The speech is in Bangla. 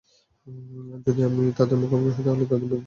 যদি আমি তাদের মুখোমুখী হই তাহলে তাদের বিরুদ্ধে যুদ্ধ করা আমার কর্তব্য।